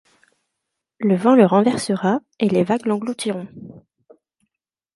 Le vent le renversera et les vagues l'engloutirons.